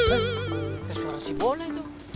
ke suara si bola itu